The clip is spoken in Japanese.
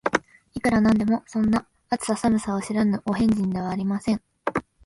いくら何でも、そんな、暑さ寒さを知らぬお変人ではありません